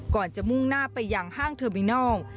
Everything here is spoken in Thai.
ก่อนจะมุ่งหน้าไปยังห้างเทอร์มินอล